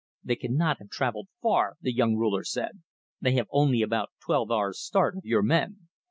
"They cannot have travelled far," the young ruler said. "They have only about twelve hours' start of your men."